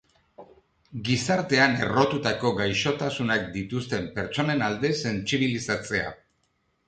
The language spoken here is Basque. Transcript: Gizartean errotutako gaixotasunak dituzten pertsonen alde sentsibilizatzea.